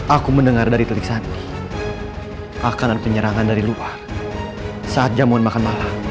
aku mendengar dari telik sadi akan ada penyerangan dari luar saat jamuan makan malam